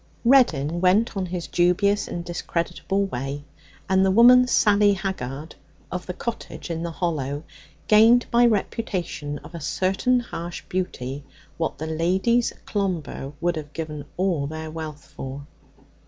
Reddin went on his dubious and discreditable way, and the woman Sally Haggard, of the cottage in the hollow, gained by virtue of a certain harsh beauty what the ladies Clomber would have given all their wealth for.